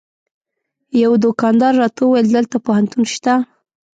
یوه دوکاندار راته وویل دلته پوهنتون شته.